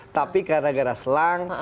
tapi karena karena selang